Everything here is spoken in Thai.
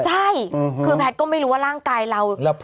ใช่คือแพทย์ก็ไม่รู้ว่าร่างกายเรา